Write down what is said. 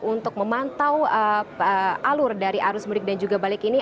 untuk memantau alur dari arus mudik dan juga balik ini